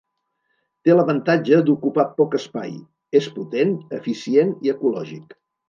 Te l'avantatge d'ocupar poc espai, és potent, eficient i ecològic.